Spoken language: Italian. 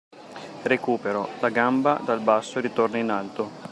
Recupero: La gamba dal basso ritorna in alto.